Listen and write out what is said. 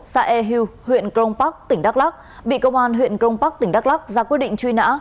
xã e hưu huyện crong park tỉnh đắk lắc bị công an huyện crong park tỉnh đắk lắc ra quyết định truy nã